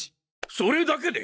それだけで？